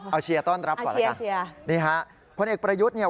เอาเชียร์ต้อนรับก่อนละกันนี่ค่ะพลเอกประยุทธ์เนี่ย